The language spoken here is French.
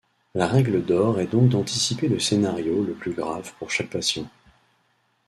La règle d’or est donc d’anticiper le scénario le plus grave pour chaque patient.